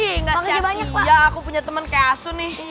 ih gak sia sia aku punya temen kayak asu nih